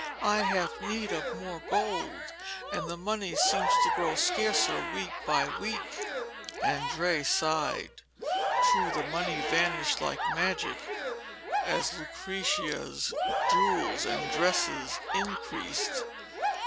I have need of more gold, and the money seems to grow scarcer week by week.' Andrea sighed. Truly the money vanished like magic, as Lucrezia's jewels and dresses increased.